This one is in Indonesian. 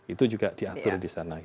itu juga diatur di sana